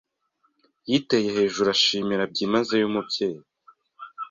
yiteye hejuru ashimira byimazeyo umubyeyi